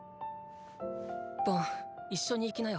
ボン一緒に行きなよ。